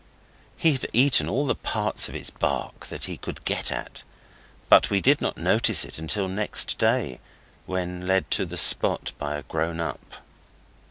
(He had eaten all the parts of its bark that he could get at, but we did not notice it until next day, when led to the spot by a grown up.)